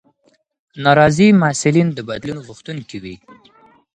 ناراضي محصلین د بدلون غوښتونکي وي.